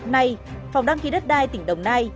nay phòng đăng ký đất đai tỉnh đồng nai